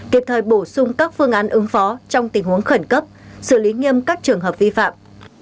kịp thời bổ sung các phương án ứng phó trong tình huống khẩn cấp xử lý nghiêm các trường hợp vi phạm